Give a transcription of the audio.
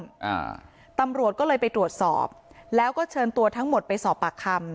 อ่าตำรวจก็เลยไปตรวจสอบแล้วก็เชิญตัวทั้งหมดไปสอบปากคำ